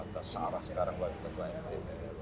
searah sekarang waktu itu